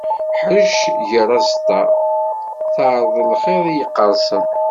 Ḥrec, ger aẓeṭṭa. Terreḍ lxiḍ i d-yeqqarsen.